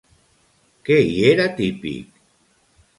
Què hi era típic?